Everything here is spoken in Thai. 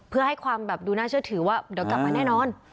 เพื่อให้ความแบบดูน่าเชื่อถือว่าเดี๋ยวกลับมาแน่นอน